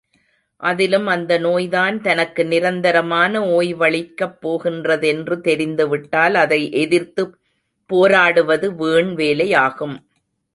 அதிலும் அந்த நோய்தான் தனக்கு நிரந்தரமான ஓய்வளிக்கப்போகின்றதென்று தெரிந்துவிட்டால் அதை எதிர்த்துப் போராடுவது வீண் வேலையாகும்.